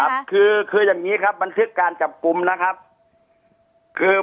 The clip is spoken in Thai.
ครับคือคืออย่างงี้ครับบันทึกการจับกลุ่มนะครับคือ